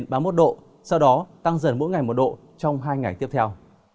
sau đó tăng dần mỗi ngày một độ trong hai ngày tiếp theo